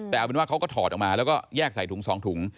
แต่เอาเป็นว่าเขาก็ถอดออกมาแล้วก็แยกใส่ถุง๒ถุง